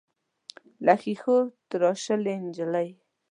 له ښیښو تراشلې نجلۍ.